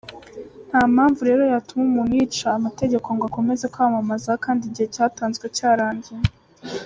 Ntampamvu rero yatuma umuntu yica amategeko ngo akomeze kwamamaza kandi igihe cyatanzwe cyarangiye.